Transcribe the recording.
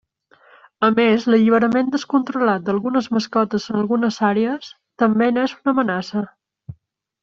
A més, l'alliberament descontrolat d'algunes mascotes en algunes àrees també n'és una amenaça.